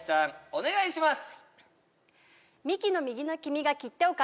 お願いします